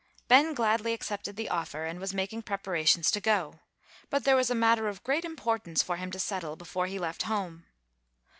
Ben gladly accepted the offer, and was making preparations to go; but there was a matter of great importance for him to settle, before he left home.